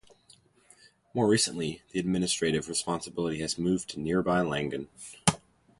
More recently, the administrative responsibility has moved to nearby Langon.